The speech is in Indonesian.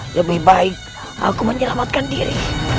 lebih baik aku menyelamatkan diri